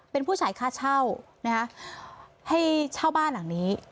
เป็นผู้ใช้ค่าเช่านะคะให้เช่าบ้านหลังนี้